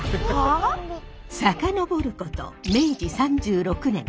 遡ること明治３６年。